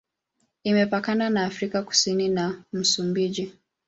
Imepakana na Afrika Kusini na Msumbiji.